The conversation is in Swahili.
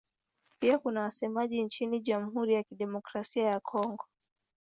Pia kuna wasemaji nchini Jamhuri ya Kidemokrasia ya Kongo.